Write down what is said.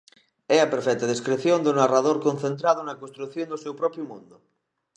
É a perfecta descrición do narrador concentrado na construción do seu propio mundo.